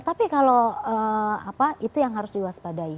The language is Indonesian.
tapi kalau apa itu yang harus diwaspadai